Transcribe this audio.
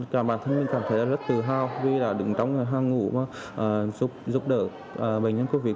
cả bản thân mình cảm thấy rất tự hào vì là đứng trong người hàng ngủ mà giúp đỡ bệnh nhân covid